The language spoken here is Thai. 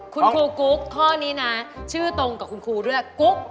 คุณครูกุ๊กข้อนี้นะชื่อตรงกับคุณครูเลือกกุ๊ก